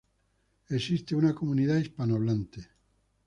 Existe una comunidad hispanohablante.